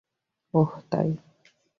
ওহ, তাই?